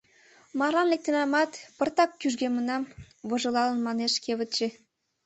Марлан лектынамат, пыртак кӱжгемынам, — вожылалын манеш кевытче.